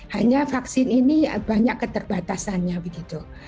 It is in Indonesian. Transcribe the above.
hanya vaksin ini banyak keterbatasannya begitu